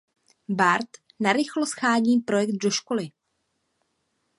Bart narychlo shání projekt do školy.